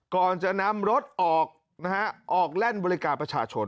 ก่อนจะนำรถออกนะฮะออกแล่นบริการประชาชน